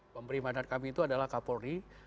pemberi mandat kami itu adalah kapolri